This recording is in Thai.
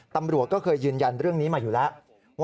ตำรวจก็เคยยืนยันเรื่องนี้มาอยู่แล้ว